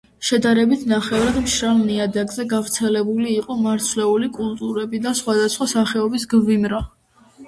შედარებით ნახევრად მშრალ ნიადაგზე გავრცელებული იყო მარცვლეული კულტურები და სხვადასხვა სახეობის გვიმრა.